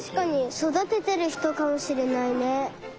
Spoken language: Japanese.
そだててるひとかもしれないね。